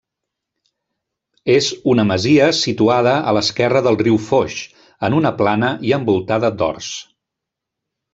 És una masia situada a l'esquerra del riu Foix, en una plana i envoltada d'horts.